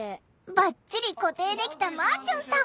バッチリ固定できたまぁちゅんさん。